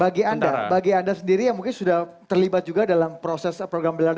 bagi anda bagi anda sendiri yang mungkin sudah terlibat juga dalam proses program belanda